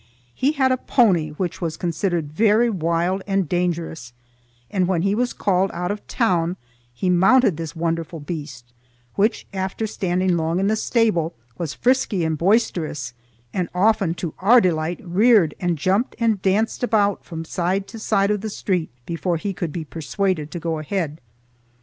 He had a pony which was considered very wild and dangerous, and when he was called out of town he mounted this wonderful beast, which, after standing long in the stable, was frisky and boisterous, and often to our delight reared and jumped and danced about from side to side of the street before he could be persuaded to go ahead.